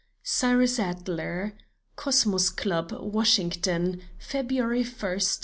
CYRUS ADLER. COSMOS CLUB, WASHINGTON, February 1, 1898.